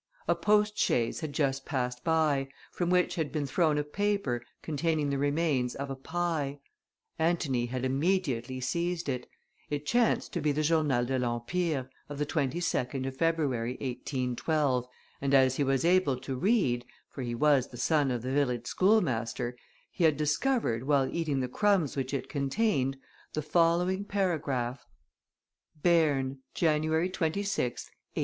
A postchaise had just passed by, from which had been thrown a paper, containing the remains of a pie. Antony had immediately seized it: it chanced to be the Journal de l'Empire, of the 22nd of February, 1812, and as he was able to read, for he was the son of the village schoolmaster, he had discovered, while eating the crumbs which it contained, the following paragraph: "_Berne, January 26th, 1812.